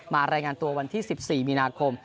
รายงานตัววันที่๑๔มีนาคม